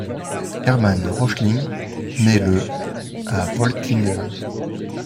Hermann Röchling naît le à Völklingen.